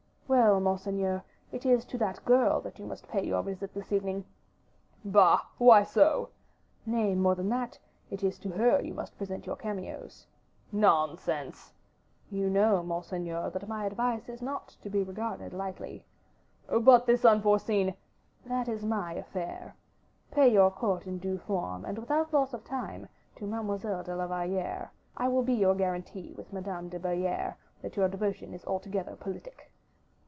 "Well, monseigneur, it is to that young girl that you must pay your visit this evening." "Bah! why so?" "Nay, more than that, it is to her you must present your cameos." "Nonsense." "You know, monseigneur, that my advice is not to be regarded lightly." "But this is unforeseen " "That is my affair. Pay your court in due form, and without loss of time, to Mademoiselle de la Valliere. I will be your guarantee with Madame de Belliere that your devotion is altogether politic."